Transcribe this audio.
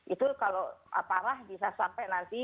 itu kalau apalah bisa sampai nanti